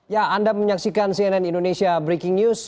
ya anda menyaksikan cnn indonesia breaking news